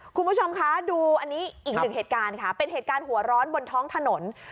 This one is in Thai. คุณผู้ชมคะดูอันนี้อีกหนึ่งเหตุการณ์ค่ะเป็นเหตุการณ์หัวร้อนบนท้องถนน